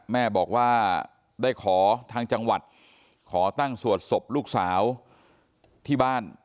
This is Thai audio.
แม่บอกว่าได้ขอทางจังหวัดขอตั้งสวดศพลูกสาวที่บ้าน